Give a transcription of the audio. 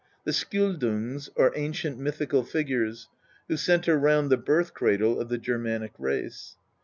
The Skjoldungs are ancient mythical figures who centre round the birth cradle of the Germanic race.